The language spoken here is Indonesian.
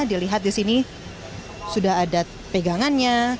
dilihat disini sudah ada pegangannya